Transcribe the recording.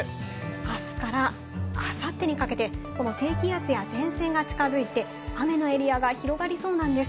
明日から明後日にかけて、低気圧や前線が近づいて雨のエリアが広がりそうなんです。